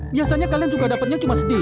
biasanya kalian juga dapatnya cuma sedih